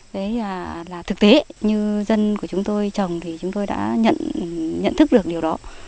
đấy là thực tế như dân của chúng tôi trồng thì chúng tôi đã nhận thức được điều đó